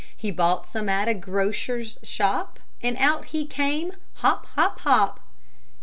He bought some at a grocer's shop, And out he came, hop, hop, hop!